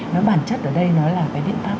nó bản chất ở đây nó là cái biện pháp